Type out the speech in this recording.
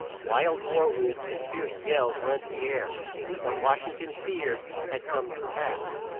Wild war whoops and fierce yells rent the air. What Wash ing ton feared, had come to pass.